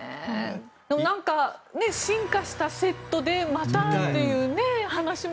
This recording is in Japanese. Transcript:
なんか、進化したセットでまたという話も。